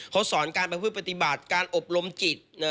เขาสอนการประพฤติบาทการอบรมจิต